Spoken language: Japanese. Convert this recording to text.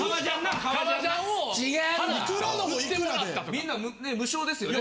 みんな無償ですよね。